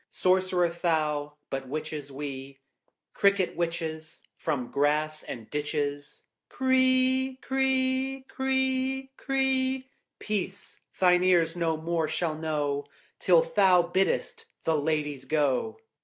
Sorcerer thou, but Witches we Cricket Witches, from grass and ditches. Cree cree cree cree! Peace thine ears no more shall know Till thou bidst the lady go.